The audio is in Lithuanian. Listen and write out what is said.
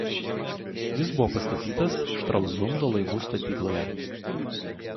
Jis buvo pastatytas Štralzundo laivų statykloje.